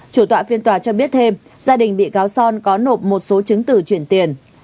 chủ tọa phiên tòa cho biết thêm gia đình bị cáo son có nộp một số chứng từ chuyển tiền